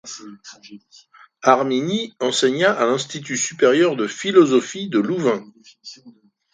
Harmignie enseigna à l’Institut supérieur de philosophie à Louvain.